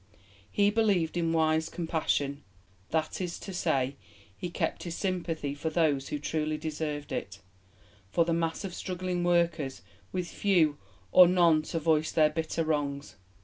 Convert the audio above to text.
He believed in wise compassion that is to say, he kept his sympathy for those who truly deserved it, for the mass of struggling workers with few or none to voice their bitter wrongs.